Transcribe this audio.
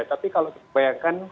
tapi kalau bayangkan